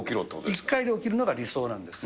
１回で起きるのが理想なんです。